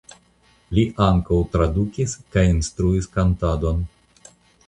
Li ankaŭ tradukis kaj instruis kantadon.